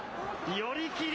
寄り切り。